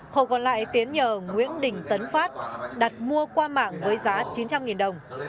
khẩu còn lại tiến nhờ nguyễn đình tấn phát đặt mua qua mạng với giá chín trăm linh đồng